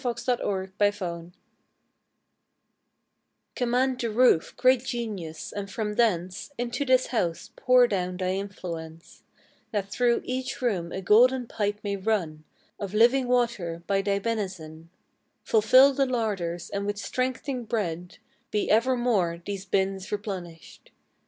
TO THE GENIUS OF HIS HOUSE Command the roof, great Genius, and from thence Into this house pour down thy influence, That through each room a golden pipe may run Of living water by thy benizon; Fulfil the larders, and with strength'ning bread Be ever more these bins replenished.